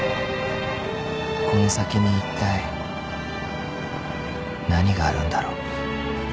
［この先にいったい何があるんだろう］